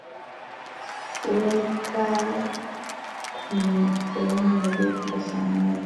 weka kwenye sehemu ya joto kwa saa moja